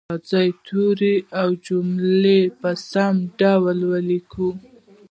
راځئ توري او جملې په سم ډول ولیکو